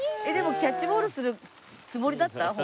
えっでもキャッチボールするつもりだった？